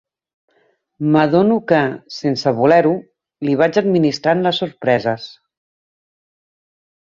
M'adono que, sense voler-ho, li vaig administrant les sorpreses.